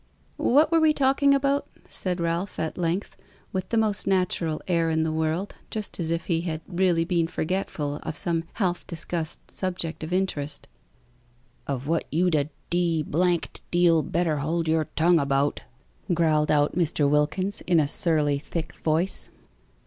"What were we talking about?" said Ralph, at length, with the most natural air in the world, just as if he had really been forgetful of some half discussed subject of interest. "Of what you'd a d d deal better hold your tongue about," growled out Mr. Wilkins, in a surly thick voice.